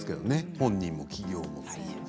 本人も企業も。